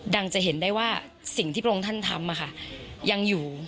จะเห็นได้ว่าสิ่งที่พระองค์ท่านทำยังอยู่